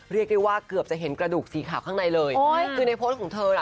เรียกได้ว่าเกือบจะเห็นกระดูกสีขาวข้างในเลยคือในโพสต์ของเธอน่ะ